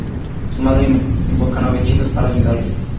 Su madre invoca nueve hechizos para ayudarle.